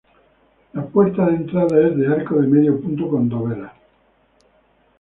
La puerta de entrada es de arco de medio punto con dovelas.